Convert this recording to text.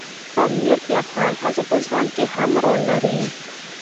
پامیر د افغان ښځو په ژوند کې هم رول لري.